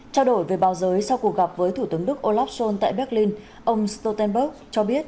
trao đổi về báo giới sau cuộc gặp với thủ tướng đức olaf scholz tại berlin ông stoltenberg cho biết